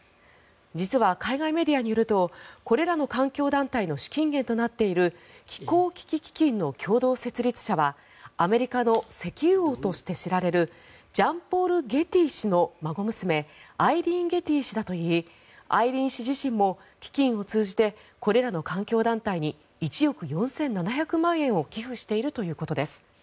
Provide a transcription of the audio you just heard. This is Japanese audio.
実は海外メディアによるとこれらの環境団体の資金源になっている気候危機基金の共同設立者はアメリカの石油王として知られるジャン・ポール・ゲティ氏の孫娘アイリーン・ゲティ氏だといいアイリーン氏自身も基金を通じてこれらの環境団体に１億４７００万円を寄付しているということです。